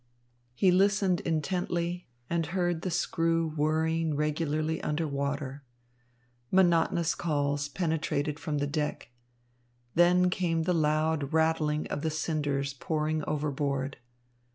He listened intently, and heard the screw whirring regularly under the water. Monotonous calls penetrated from the deck. Then came the loud rattling of the cinders pouring overboard.